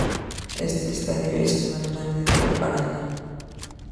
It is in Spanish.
Este estadio es el mas grande de Paraná.